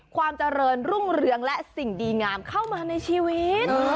ความเจริญรุ่งเรืองและสิ่งดีงามเข้ามาในชีวิต